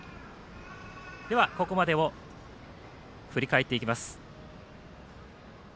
では、ここまでを振り返っていきます。